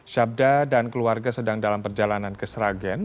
syabda dan keluarga sedang dalam perjalanan ke sragen